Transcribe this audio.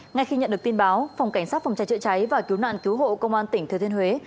ngay khi nhận được tin báo phòng cảnh sát phòng cháy chữa cháy và cứu nạn cứu hộ công an tỉnh thừa thiên huế